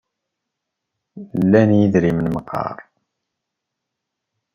Lant idrimen meqqar?